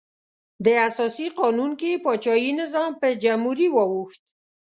د اساسي قانون کې پاچاهي نظام په جمهوري واوښت.